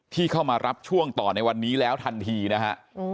ที่เข้ามารับช่วงต่อในวันนี้แล้วทันทีนะฮะ